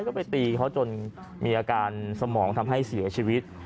แล้วก็ไปตีเขาจนมีอาการสมองทำให้เสียชีวิต